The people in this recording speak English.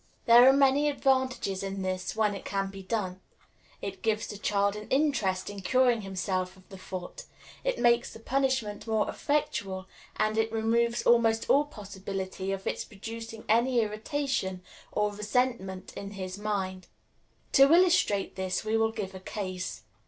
There are many advantages in this, when it can be done. It gives the child an interest in curing himself of the fault; it makes the punishment more effectual; and it removes almost all possibility of its producing any irritation or resentment in his mind. To illustrate this we will give a case.